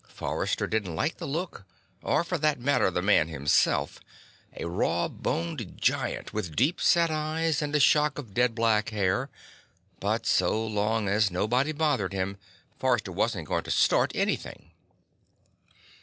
Forrester didn't like the look or, for that matter, the man himself, a raw boned giant with deep set eyes and a shock of dead black hair, but so long as nobody bothered him, Forrester wasn't going to start anything.